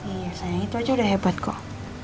iya sayang itu aja udah hebat kok